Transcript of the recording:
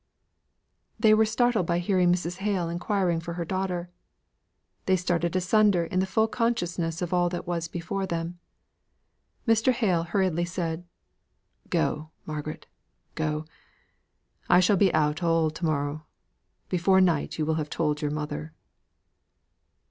They were startled by hearing Mrs. Hale inquiring for her daughter. They started asunder in the full consciousness of all that was before them. Mr. Hale hurriedly said "Go, Margaret, go. I shall be out all to morrow. Before night you will have told your mother."